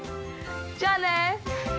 じゃあね。